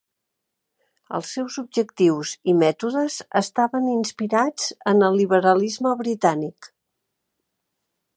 Els seus objectius i mètodes estaven inspirats en el Liberalisme Britànic.